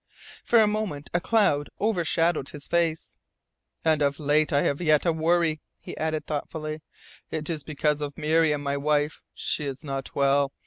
For a moment a cloud overshadowed his face. "And yet of late I have had a worry," he added thoughtfully. "It is because of Miriam, my wife. She is not well.